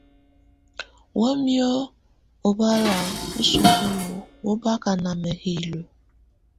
Wǝ́miǝ̀ ubala wù sukulu wù baka na mǝ̀hilǝ́.